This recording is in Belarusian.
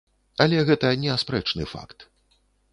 Але гэта неаспрэчны факт.